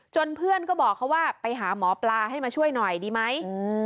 เพื่อนก็บอกเขาว่าไปหาหมอปลาให้มาช่วยหน่อยดีไหม